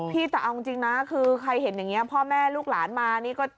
พี่แต่เอาจริงนะคือใครเห็นอย่างเงี้ยพ่อแม่ลูกหลานมา